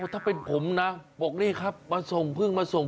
ถ้าเป็นผมนะบอกนี่นะครับมาส่งเพื่ง